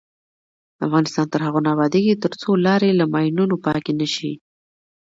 افغانستان تر هغو نه ابادیږي، ترڅو لارې له ماینونو پاکې نشي.